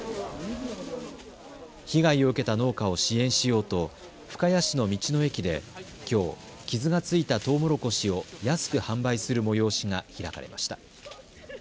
被害を受けた農家を支援しようと深谷市の道の駅で、きょう傷がついたとうもろこしを安く販売する催しが開かれました。